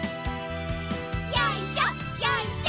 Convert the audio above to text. よいしょよいしょ。